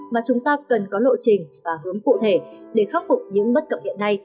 mà chúng ta cần có lộ trình và hướng cụ thể để khắc phục những bất cập hiện nay